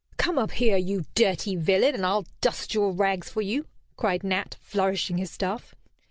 "Come up here, you dirty villain; and I'll dust your rags for you," cried Nat, flourishing his staff.